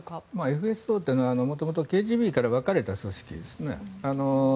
ＦＳＯというのは元々ＫＧＢから分かれた組織ですね。